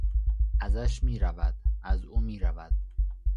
ازش میرود. از او میرود.